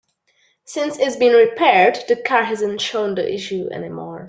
Since it's been repaired, the car hasn't shown the issue any more.